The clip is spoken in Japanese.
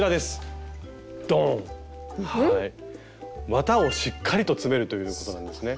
綿をしっかりと詰めるということなんですね。